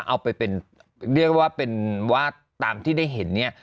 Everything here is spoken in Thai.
เอาไปเป็นเรียกว่าเป็นว่าตามที่ได้เห็นเนี่ย